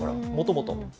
もともと。